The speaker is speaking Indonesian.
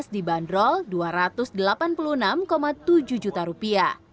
dua ribu dua belas dibanderol rp dua ratus delapan puluh enam tujuh juta